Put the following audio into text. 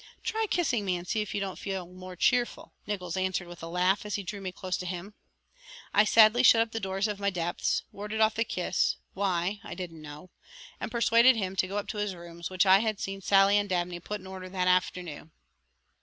Try kissing me and see if you don't feel more cheerful," Nickols answered with a laugh, as he drew me close to him. I sadly shut up the doors of my depths, warded off the kiss why, I didn't know and persuaded him to go up to his rooms which I had seen Sallie and Dabney put in order that afternoon.